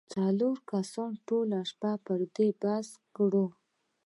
څلورو کسانو ټوله شپه پر دې موضوع بحث وکړ.